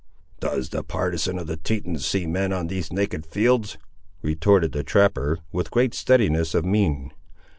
"Does the partisan of the Tetons see men on these naked fields?" retorted the trapper, with great steadiness of mien.